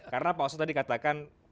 karena pak pausok tadi katakan